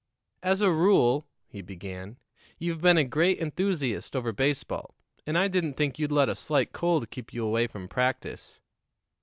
"As a rule," he began, "you've been a great enthusiast over baseball, and I didn't think you'd let a slight cold keep you away from practice.